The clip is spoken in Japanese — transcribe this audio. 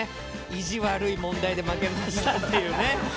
「意地悪い問題で負けました」っていうね。